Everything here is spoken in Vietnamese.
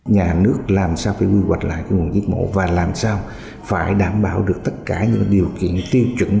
nhà nước làm sao phải quy hoạch lại nguồn giết mổ và làm sao phải đảm bảo được tất cả những điều kiện tiêu chuẩn